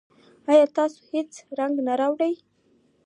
ایا ستاسو هڅې رنګ نه راوړي؟